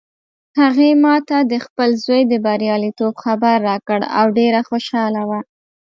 هغې ما ته د خپل زوی د بریالیتوب خبر راکړ او ډېره خوشحاله وه